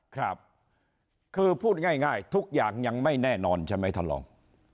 ครับคือพูดง่ายทุกอย่างยังไม่แน่นอนใช่ไหมท่านรอง